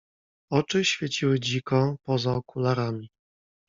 "Oczy świeciły dziko poza okularami."